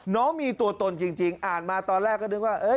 น้องมีตัวตนจริงอ่านมาตอนแรกก็นึกว่า